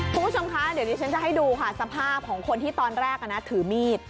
คุณผู้ชมคะเดี๋ยวดิฉันจะให้ดูค่ะสภาพของคนที่ตอนแรกถือมีด